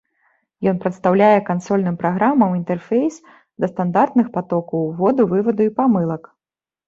Ён прадстаўляе кансольным праграмам інтэрфейс да стандартных патокаў уводу, вываду і памылак.